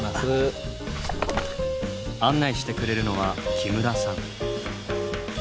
案内してくれるのは木村さん。